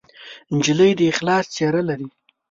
نجلۍ د اخلاص څېره لري.